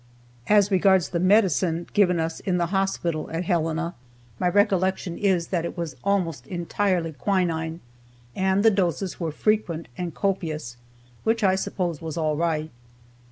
As regards the medicine given us in the hospital at Helena, my recollection is that it was almost entirely quinine, and the doses were frequent and copious, which I suppose was all right.